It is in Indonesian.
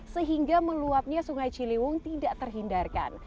sehingga meluapnya sungai ciliwung tidak terhindarkan